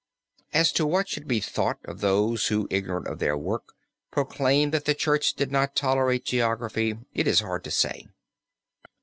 As to what should be thought of those who ignorant of their work proclaim that the Church did not tolerate geography it is hard to say.